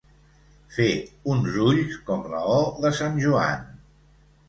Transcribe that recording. Fer uns ulls com la «o» de sant Joan.